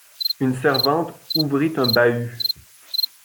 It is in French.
Une servante ouvrit un bahut.